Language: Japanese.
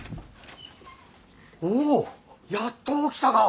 おおやっと起きたか！